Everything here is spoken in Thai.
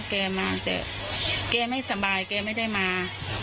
แกมาแต่แกไม่สบายแกไม่ได้มา